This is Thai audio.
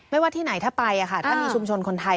ว่าที่ไหนถ้าไปถ้ามีชุมชนคนไทย